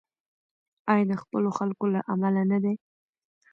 آیا د خپلو خلکو له امله نه دی؟